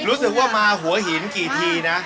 รู้สึกว่ามาหัวหินกี่ทีนะ